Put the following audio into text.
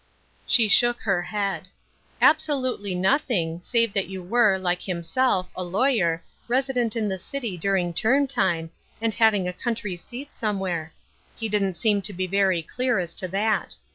She shook her head. "Absolutely nothing, save that you were, like himself, a lawj^er, resi dent in the cit}^ during term time, and having a country seat somewhere. He didn't seem to be very clear as to that.